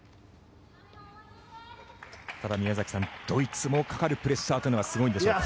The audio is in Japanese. ただ宮崎さん、ドイツもかかるプレッシャーがすごいんでしょうね。